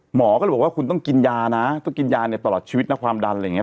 หมอก็เลยบอกว่าคุณต้องกินยานะต้องกินยาเนี่ยตลอดชีวิตนะความดันอะไรอย่างนี้